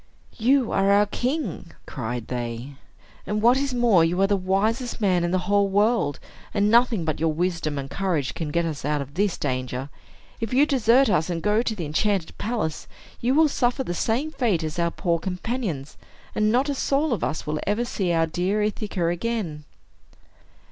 "You are our king," cried they; "and what is more, you are the wisest man in the whole world, and nothing but your wisdom and courage can get us out of this danger. If you desert us, and go to the enchanted palace, you will suffer the same fate as our poor companions, and not a soul of us will ever see our dear Ithaca again."